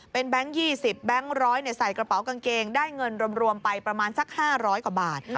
เป็นแบงค์๒๐แบงค์๑๐๐ใส่กระเป๋ากางเกงได้เงินรวมไปประมาณสัก๕๐๐กว่าบาท